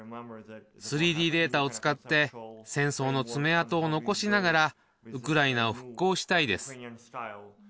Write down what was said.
３Ｄデータを使って、戦争の爪痕を残しながら、ウクライナを復興したいです。